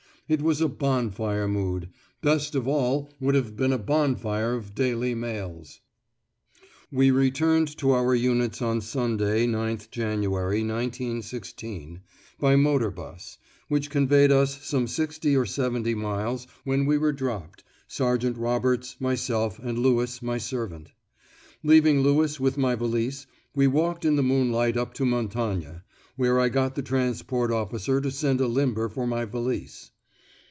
It was a bonfire mood: best of all would have been a bonfire of Daily Mails! We returned to our units on Sunday, 9th January, 1916, by motor bus, which conveyed us some sixty or seventy miles, when we were dropped, Sergeant Roberts, myself, and Lewis, my servant. Leaving Lewis with my valise, we walked in the moonlight up to Montagne, where I got the transport officer to send a limber for my valise.